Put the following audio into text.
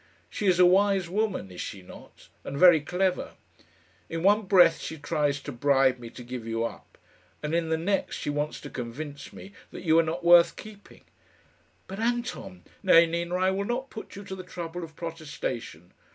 She is a wise woman, is she not? and very clever. In one breath she tries to bribe me to give you up, and in the next she wants to convince me that you are not worth keeping." "But, Anton " "Nay, Nina, I will not put you to the trouble of protestation.